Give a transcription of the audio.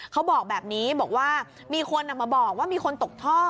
เขาบอกแบบนี้บอกว่ามีคนมาบอกว่ามีคนตกท่อ